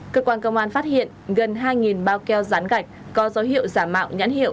cơ quan công an phát hiện gần hai bao keo rán gạch có dấu hiệu giả mạo nhãn hiệu